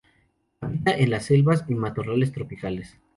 Habita en selvas y matorrales tropicales.